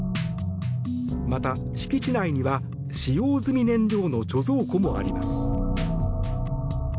また敷地内には、使用済み燃料の貯蔵庫もあります。